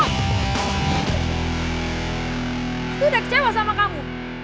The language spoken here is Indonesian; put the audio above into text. aku udah kecewa sama kamu